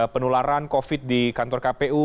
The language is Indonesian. penularan covid di kantor kpu